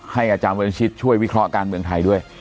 อาจารย์วรรณชิตช่วยวิเคราะห์การเมืองไทยด้วย